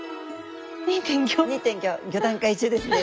５段階中ですね。